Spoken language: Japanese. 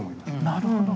なるほど。